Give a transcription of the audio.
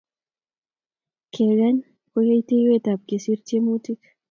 Kengany ko yateiywotap kesir tiemutik